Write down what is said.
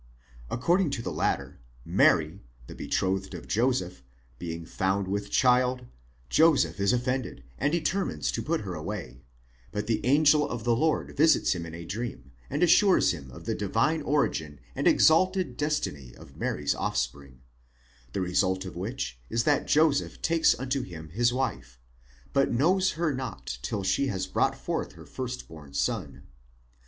According to the latter Mary, the betrothed of Joseph, being found with child, Joseph is offended, and determines to put her away ; but the angel of the Lord visits him in a dream, and assures him of the divine origin and ex alted destiny of Mary's offspring ; the result of which is that Joseph takes unto him his wife: but knows her not till she has brought forth her first born son.